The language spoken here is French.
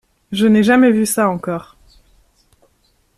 Je n’ai jamais vu ça encore.